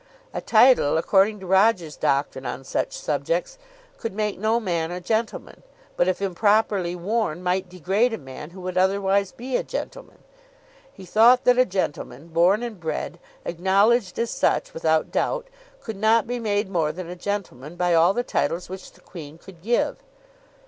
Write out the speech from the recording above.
A title, according to Roger's doctrine on such subjects, could make no man a gentleman, but, if improperly worn, might degrade a man who would otherwise be a gentleman. He thought that a gentleman, born and bred, acknowledged as such without doubt, could not be made more than a gentleman by all the titles which the Queen could give.